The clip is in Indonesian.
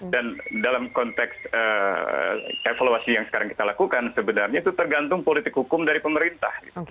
dan dalam konteks evaluasi yang sekarang kita lakukan sebenarnya itu tergantung politik hukum dari pemerintah